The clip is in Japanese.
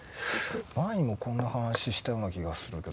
前にもこんな話したような気がするけど。